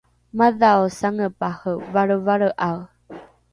madhao sangepare valrevalre’ae